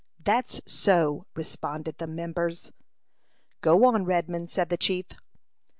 "That's so," responded the members. "Go on, Redman," said the chief.